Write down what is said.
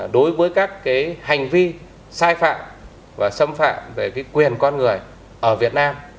đối với các cái hành vi sai phạm và xâm phạm về cái quyền con người ở việt nam